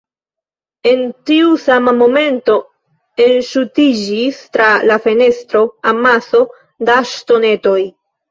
En tiu sama momento, enŝutiĝis tra la fenestro,, amaso da ŝtonetoj.